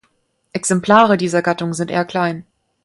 Exemplare dieser Gattung sind eher klein.